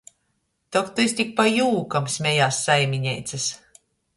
"Tok tys tik pa jūkam," smejās saimineicys.